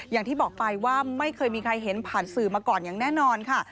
อย่างที่บอกไปว่าไม่เคยมีใครเห็นผ่านสื่อมาก่อนอย่างแน่นอนค่ะ